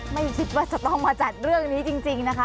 ไม่คิดว่าจะต้องมาจัดเรื่องนี้จริงนะคะ